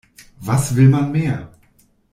Was will man mehr?